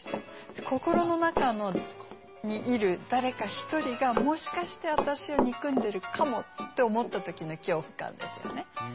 心の中にいる誰か１人が「もしかして私を憎んでるかも？」って思った時の恐怖感ですよね。